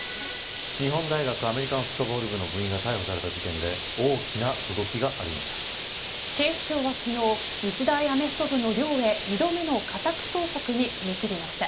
日本大学アメリカンフットボール部の部員が逮捕された事件で警視庁は昨日日大アメフト部の寮へ２度目の家宅捜索に踏み切りました。